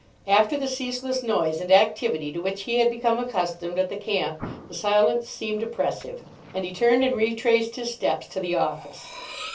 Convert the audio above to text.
After the ceaseless noise and activity to which he had become accustomed at the camp the silence seemed oppressive, and he turned and retraced his steps to the office.